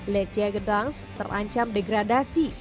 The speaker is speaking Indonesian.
lesia gdansk terancam degradasi